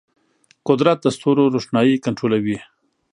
قدرت د ستورو روښنايي کنټرولوي.